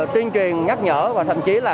tuyên truyền nhắc nhở và thậm chí là